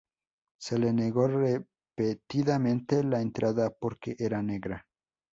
Se le negó repetidamente la entrada porque era negra.